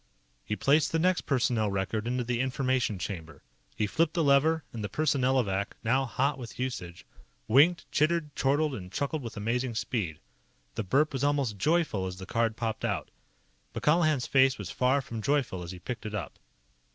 He placed the next personnel record into the Information chamber. He flipped the lever, and the Personnelovac, now hot with usage, winked, chittered, chortled, and chuckled with amazing speed. The burp was almost joyful as the card popped out. But Colihan's face was far from joyful as he picked it up.